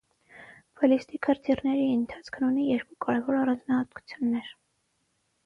Բալիստիկ հրթիռների ընթացքն ունի երկու կարևոր առանձնահատկություններ։